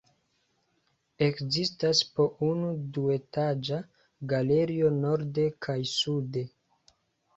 Ekzistas po unu duetaĝa galerio norde kaj sude.